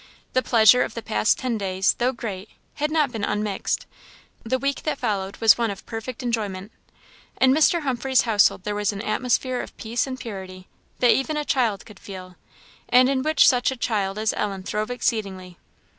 The pleasure of the past ten days, though great, had not been unmixed; the week that followed was one of perfect enjoyment. In Mr. Humphreys' household there was an atmosphere of peace and purity, that even a child could feel, and in which such a child as Ellen throve exceedingly.